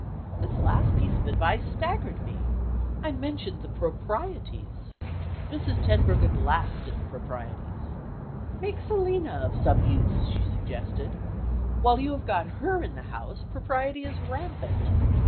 This last piece of advice staggered me. I mentioned the Proprieties. Mrs. Tenbruggen laughed at the Proprieties. "Make Selina of some use," she suggested. "While you have got her in the house, Propriety is rampant.